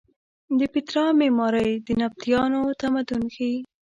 د پیترا معمارۍ د نبطیانو تمدن ښیې.